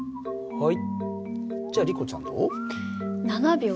はい。